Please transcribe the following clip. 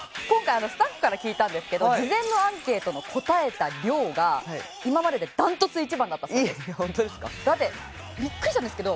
今回スタッフから聞いたんですけど事前のアンケートの答えた量が今まででダントツ１番だったそうです。